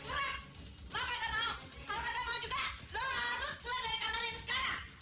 apa enggak mahal itu